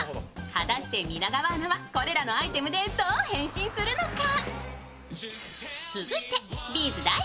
果たして、皆川アナはこれらのアイテムでどう変身するのか。